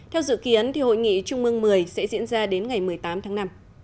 theo dự kiến hội nghị trung mương một mươi sẽ diễn ra đến ngày một mươi tám tháng năm